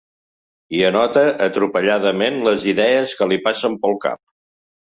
Hi anota, atropelladament, les idees que li passen pel cap.